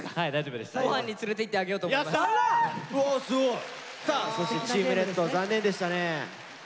さあそしてチームレッド残念でしたね。